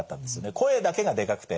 声だけがでかくて。